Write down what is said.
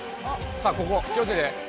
さあここ気をつけて。